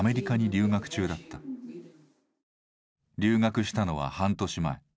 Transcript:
留学したのは半年前。